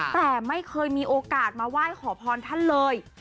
แต่ไม่เคยมีโอกาสมาไหว้ขอพรท่านเลย